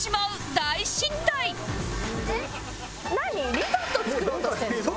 リゾット作ろうとしてるの？